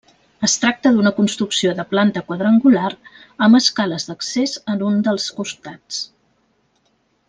Es tracta d’una construcció de planta quadrangular amb escales d’accés en un dels costats.